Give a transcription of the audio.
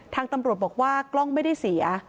ทางตำรวจบอกว่ากล้องไม่ได้เสีย